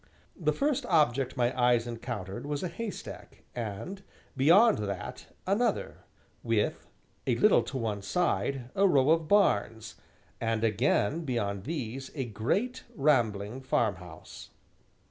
The first object my eyes encountered was a haystack and, beyond that, another, with, a little to one side, a row of barns, and again beyond these, a great, rambling farmhouse.